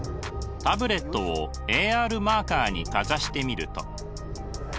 タブレットをＡＲマーカーにかざしてみると。